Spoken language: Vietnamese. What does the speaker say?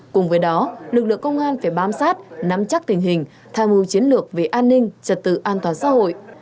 cùng với đó lực lượng công an phải bám sát nắm chắc tình hình tham mưu chiến lược về an ninh trật tự an toàn xã hội